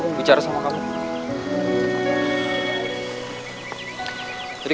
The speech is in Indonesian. bahwa lu udah pulih